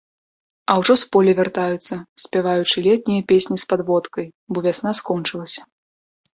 А ўжо з поля вяртаюцца, спяваючы летнія песні з падводкай, бо вясна скончылася.